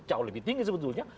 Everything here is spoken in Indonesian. jauh lebih tinggi sebetulnya